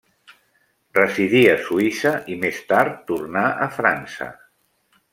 Residí a Suïssa i més tard tornà a França.